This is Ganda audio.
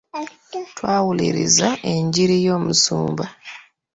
Twawulirizza enjiri y'omusumba.